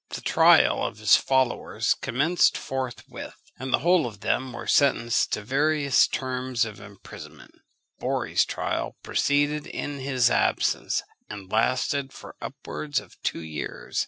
The trial of his followers commenced forthwith, and the whole of them were sentenced to various terms of imprisonment. Borri's trial proceeded in his absence, and lasted for upwards of two years.